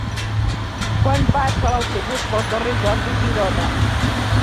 Quan passa l'autobús pel carrer Jordi Girona?